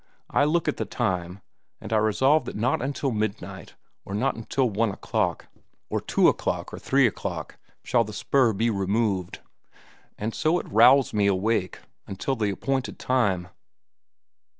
I look at the time, and I resolve that not until midnight, or not until one o'clock, or two o'clock, or three o'clock, shall the spur be removed. And so it rowels me awake until the appointed time.